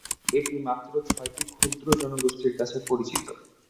এটি মাত্র ছয়টি ক্ষুদ্র জনগোষ্ঠীর কাছে পরিচিত।